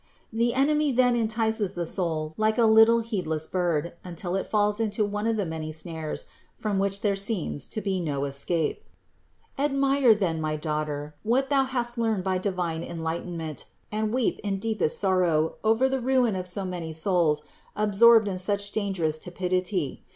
The enemy then entices the soul like a little heedless bird, until it falls into one of the many snares from which there seems to be no escape. 282. Admire then, my daughter, what thou hast learned by divine enlightenment and weep in deepest sorrow over the ruin of so many souls absorbed in such dangerous tepidity.